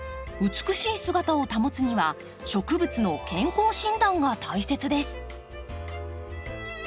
美しい姿を保つには植物の健康診断が大切です。